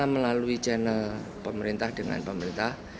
melalui channel pemerintah dengan pemerintah